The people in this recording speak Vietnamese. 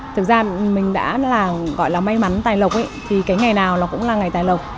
thực ra mình đã gọi là may mắn tài lộc ấy thì cái ngày nào nó cũng là ngày tài lộc